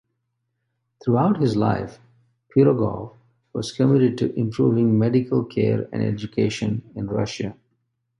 Throughout his life, Pirogov was committed to improving medical care and education in Russia.